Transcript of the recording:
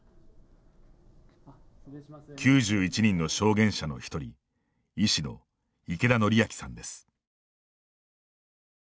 ９１人の証言者の１人医師の池田典昭さんです。